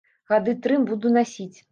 Гады тры буду насіць.